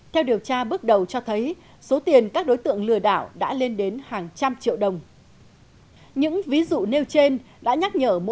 theo điều tra bước đầu cho thấy số tiền các đối tượng lừa đảo đã lên đến hàng trăm